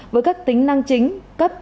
với các tính năng chính cấp